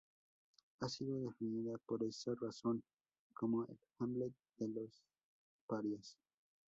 Ha sido definida por esa razón como "el Hamlet de los parias".